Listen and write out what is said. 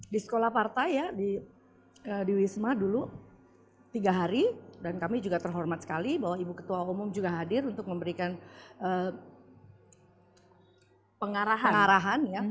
di sekolah partai ya di wisma dulu tiga hari dan kami juga terhormat sekali bahwa ibu ketua umum juga hadir untuk memberikan pengarahan ya